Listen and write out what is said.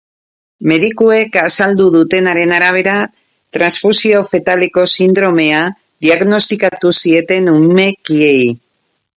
Medikuek azaldu dutenaren arabera, transfusio fetaleko sindromea diagnostikatu zieten umekiei.